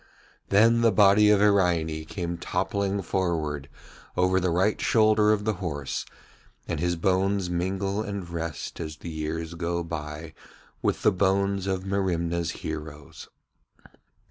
Then the body of Iraine came toppling forward over the right shoulder of the horse, and his bones mingle and rest as the years go by with the bones of Merimna's heroes.